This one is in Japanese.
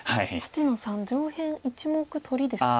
８の三上辺１目取りですか。